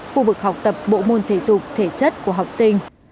khu vực học tập bộ môn thể dục thể chất của học sinh